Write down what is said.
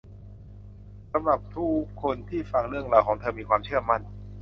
สำหรับทุกคนที่ฟังเรื่องราวของเธอมีความเชื่อมั่น